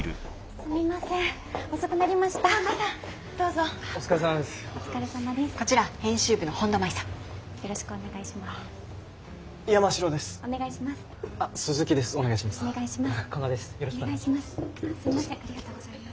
すみませんありがとうございます。